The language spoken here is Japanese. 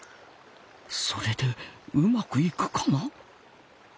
それでうまくいくかな。